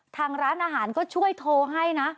ทางร้านอาหารก็ช่วยโทรให้นะ